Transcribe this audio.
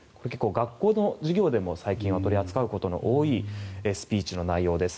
学校の授業でも取り扱うことが多いスピーチの内容です。